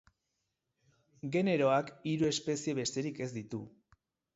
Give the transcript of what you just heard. Generoak hiru espezie besterik ez ditu.